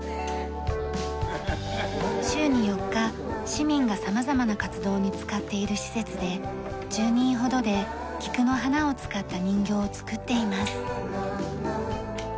週に４日市民が様々な活動に使っている施設で１０人ほどで菊の花を使った人形を作っています。